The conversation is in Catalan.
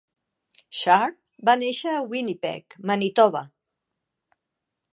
Sharp va néixer a Winnipeg, Manitoba.